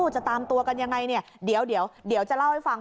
จะตามตัวกันยังไงเนี่ยเดี๋ยวเดี๋ยวเดี๋ยวจะเล่าให้ฟัง